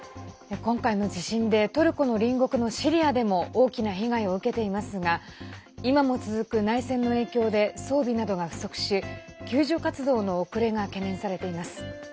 今回の地震でトルコの隣国のシリアでも大きな被害を受けていますが今も続く内戦の影響で装備などが不足し救助活動の遅れが懸念されています。